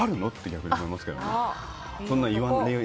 逆に思いますけどね。